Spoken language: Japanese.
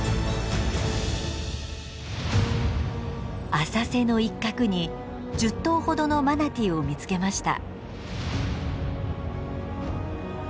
浅瀬の一角に１０頭ほどのマナティーを見つけました。